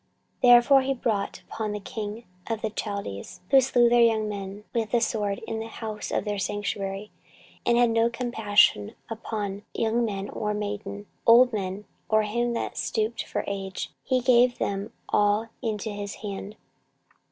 14:036:017 Therefore he brought upon them the king of the Chaldees, who slew their young men with the sword in the house of their sanctuary, and had no compassion upon young man or maiden, old man, or him that stooped for age: he gave them all into his hand.